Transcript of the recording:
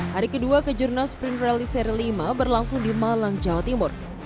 hari kedua kejurnas sprint rally seri lima berlangsung di malang jawa timur